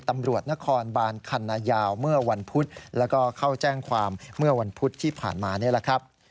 ตำรวจนครบานคันนายาวเมื่อวันพุธแล้วก็เข้าแจ้งความเมื่อวันพุธที่ผ่านมานี่แหละครับ